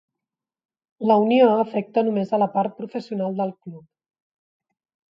La unió afectà només a la part professional del club.